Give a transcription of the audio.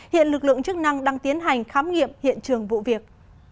hiện lực lượng chức năng đang tiến hành khám nghiệm hiện trường vụ việc